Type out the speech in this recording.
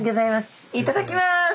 いただきます。